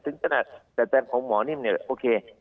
แต่แต่ของหมอนี่มันเนี่ยโอเค